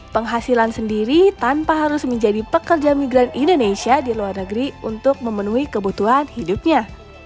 penghasilan sendiri tanpa harus menjadi pekerja migran indonesia di luar negeri untuk memenuhi kebutuhan hidupnya